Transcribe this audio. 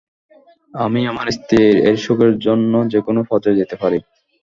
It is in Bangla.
আমি আমার স্ত্রী এর সুখের জন্যে যেকোনো পর্যায়ে যেতে পারি।